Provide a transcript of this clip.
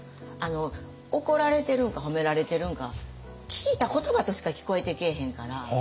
怒られてるんか褒められてるんか聞いた言葉としか聞こえてけえへんから。